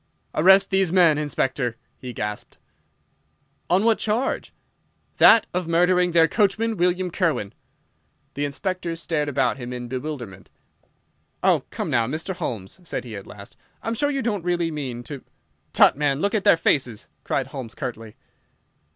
"Arrest these men, Inspector!" he gasped. "On what charge?" "That of murdering their coachman, William Kirwan!" The Inspector stared about him in bewilderment. "Oh, come now, Mr. Holmes," said he at last, "I'm sure you don't really mean to—" "Tut, man, look at their faces!" cried Holmes, curtly.